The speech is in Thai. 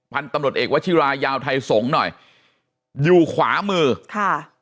พันธุ์ตำรวจเอกวชิรายาวไทยสงฆ์หน่อยอยู่ขวามือค่ะ